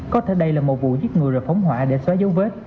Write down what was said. có thể đây là một vụ giết người rồi phóng hỏa để xóa dấu vết